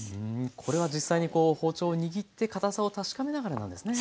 これは実際に包丁を握って堅さを確かめながらなんですね。